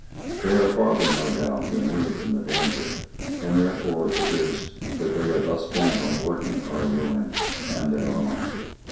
They are farther, no doubt, than we from the danger; and therefore it is that they are thus bent on working our ruin and their own.